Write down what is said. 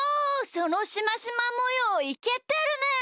そのしましまもよういけてるね！